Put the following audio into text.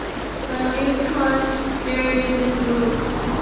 Well, you can't; there isn't room.